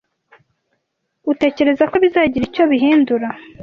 Utekereza ko bizagira icyo bihindura?